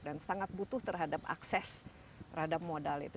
dan sangat butuh terhadap akses terhadap modal itu